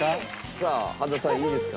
さあ羽田さんいいですか？